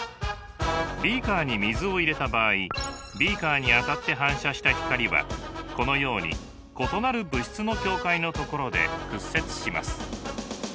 ビーカーに水を入れた場合ビーカーに当たって反射した光はこのように異なる物質の境界のところで屈折します。